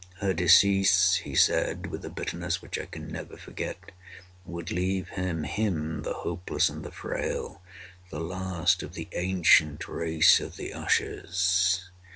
"Her decease," he said, with a bitterness which I can never forget, "would leave him (him the hopeless and the frail) the last of the ancient race of the Ushers."